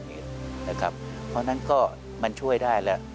เพราะฉะนั้นก็มันช่วยได้แล้ว